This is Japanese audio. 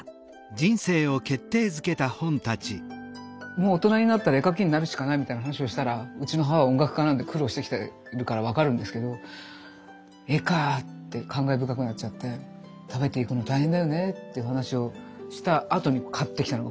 もう大人になったら絵描きになるしかないみたいな話をしたらうちの母は音楽家なんで苦労してきてるから分かるんですけど「絵かぁ」って感慨深くなっちゃって「食べていくの大変だよね」っていう話をしたあとに買ってきたのがこれね。